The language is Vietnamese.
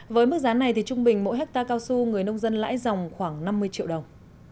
với mức giá này trung bình mỗi hectare cao su người nông dân lãi dòng khoảng năm mươi triệu đồng